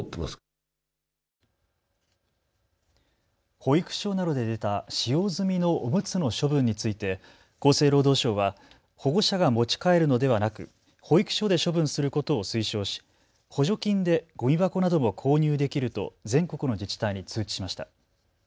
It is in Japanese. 保育所などで出た使用済みのおむつの処分について厚生労働省は保護者が持ち帰るのではなく保育所で処分することを推奨し補助金でごみ箱なども購入できると全国の自治体に通知しました。